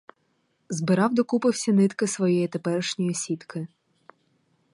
Збирав докупи всі нитки своєї теперішньої сітки.